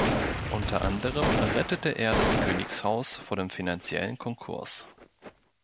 Unter anderem rettete er das Königshaus vor dem finanziellen Konkurs.